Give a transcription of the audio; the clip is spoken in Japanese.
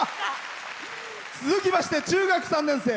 続きまして中学３年生。